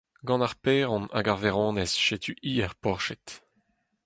Gant ar paeron hag ar vaeronez setu hi er porched.